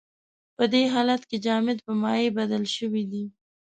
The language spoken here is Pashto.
په دې حالت کې جامد په مایع بدل شوی دی.